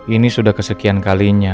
ini sudah kesekian kalinya